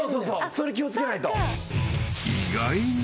それ気を付けないと。